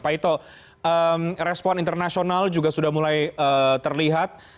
pak ito respon internasional juga sudah mulai terlihat